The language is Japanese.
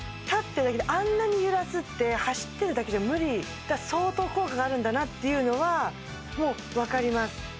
立ってるだけであんなに揺らすって走ってるだけじゃ無理だから相当効果があるんだなっていうのはもう分かります